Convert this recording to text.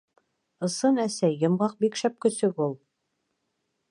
— Ысын, әсәй, Йомғаҡ бик шәп көсөк ул!..